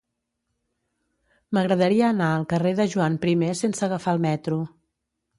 M'agradaria anar al carrer de Joan I sense agafar el metro.